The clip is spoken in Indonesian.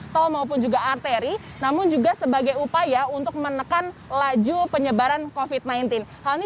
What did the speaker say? tol maupun juga arteri namun juga sebagai upaya untuk menekan laju penyebaran covid sembilan belas hal ini